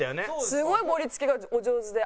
すごい盛り付けがお上手で。